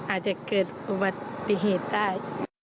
อาจจะเกิดอุบัติเหตุได้